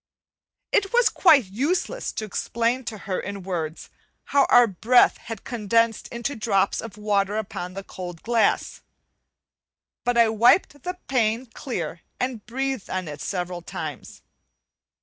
It was quite useless to explain to her in words, how our breath had condensed into drops of water upon the cold glass; but I wiped the pane clear, and breathed on it several times.